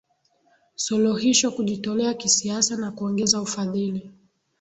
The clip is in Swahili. suluhisho kujitolea kisiasa na kuongeza ufadhili